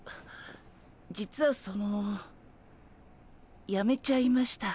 実はそのやめちゃいました。